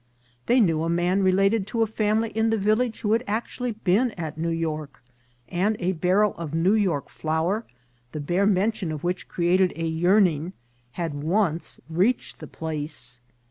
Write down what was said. They knew a man related to a family in the village who had actually been at New York, and a barrel of New York flour, the bare mention of which created a yearning, had once reached the place.